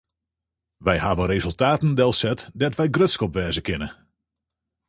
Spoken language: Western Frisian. Wy hawwe resultaten delset dêr't wy grutsk op wêze kinne.